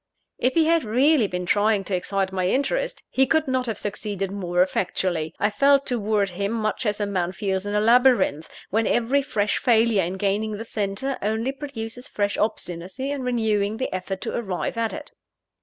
If he had really been trying to excite my interest, he could not have succeeded more effectually. I felt towards him much as a man feels in a labyrinth, when every fresh failure in gaining the centre, only produces fresh obstinacy in renewing the effort to arrive at it.